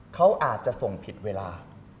เขาอาจจะส่งผิดเวลา